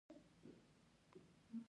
اجازه راکړئ زما د تقویم سره وګورم.